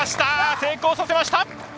成功させました！